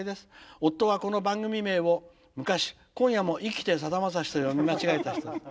夫はこの番組名を昔『今夜も生きてさだまさし』と読み間違えた人です。